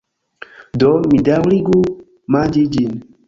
Do, mi daŭrigu manĝi ĝin.